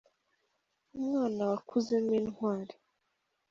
Umwana wakuzemo Intwali.